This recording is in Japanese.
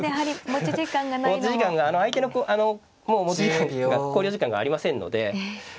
持ち時間が相手のもう持ち時間が考慮時間がありませんので。